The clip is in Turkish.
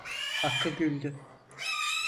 Hakkı güldü.